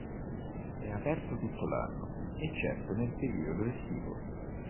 È aperto tutto l'anno, eccetto nel periodo estivo.